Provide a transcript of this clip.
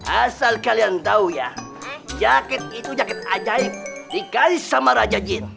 asal kalian tahu ya jaket itu jaket ajaib dikasih sama raja jin